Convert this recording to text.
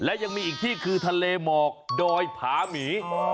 และยังมีอีกที่คือทะเลหมอกดอยผาหมี